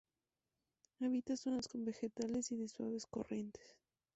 Habita zonas con vegetales y de suaves corrientes.